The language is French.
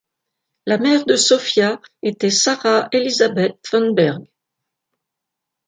La mère de Sophia était Sarah Elizabeth Thornberg.